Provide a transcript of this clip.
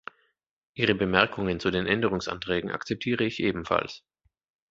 Ihre Bemerkungen zu den Änderungsanträgen akzeptiere ich ebenfalls.